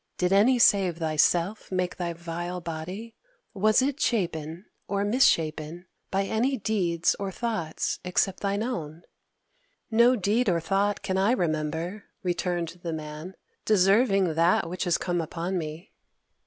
Did any save thyself make thy vile body? Was it shapen or misshapen by any deeds or thoughts except thine own?" "No deed or thought can I remember," returned the Man, "deserving that which has come upon me."